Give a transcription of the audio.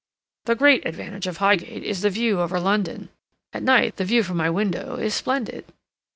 "The great advantage of Highgate is the view over London. At night the view from my window is splendid."